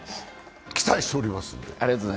期待しております。